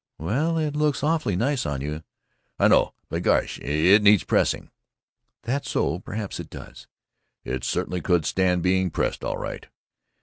"Well, it looks awfully nice on you." "I know, but gosh, it needs pressing." "That's so. Perhaps it does." "It certainly could stand being pressed, all right."